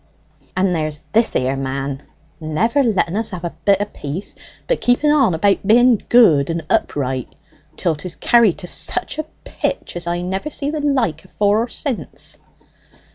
"And there's this here man never letting us have a bit o' peace; but keeping on about being good and upright till 'tis carried to such a pitch as I never see the like afore nor since!"